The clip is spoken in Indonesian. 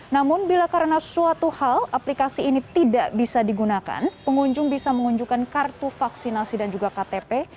namun bila karena suatu hal aplikasi ini tidak bisa digunakan pengunjung bisa menunjukkan kartu vaksinasi dan juga ktp